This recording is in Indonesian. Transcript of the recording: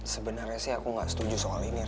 sebenarnya sih aku gak setuju soal ini rev